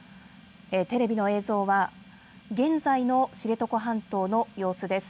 テレビの映像は現在の知床半島の様子です。